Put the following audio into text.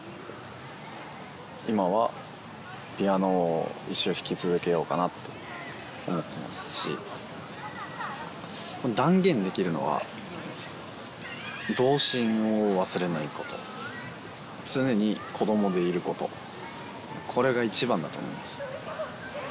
今はピアノを一生弾き続けようかなって思ってますし断言できるのは童心を忘れないこと常に子供でいることこれが一番だと思います